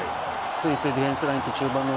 スイスディフェンスラインと中盤の。